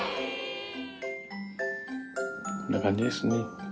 こんな感じですね。